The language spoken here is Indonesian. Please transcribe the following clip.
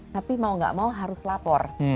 tapi mau gak mau harus lapor